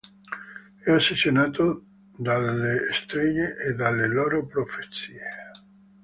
È ossessionato dalle streghe e dalle loro profezie.